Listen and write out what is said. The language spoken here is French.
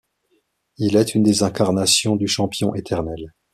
Il est une des incarnations du champion éternel.